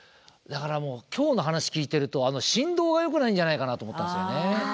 だからもう今日の話聞いてると振動がよくないんじゃないかなと思ったんですよね。